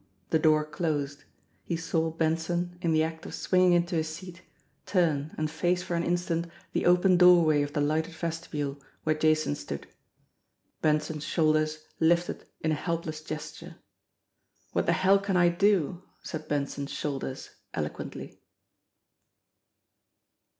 The door closed. He saw Benson, in the act of swinging into his seat, turn and face for an instant the open doorway of the lighted vestibule where Jason stood. Benson's shoulders lifted in a helpless gesture. "What the hell can I do?" said Benson's shoulders elo quently.